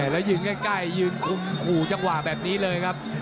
แล้วยืนใกล้ยืนคุมขู่จังหวะแบบนี้เลยครับ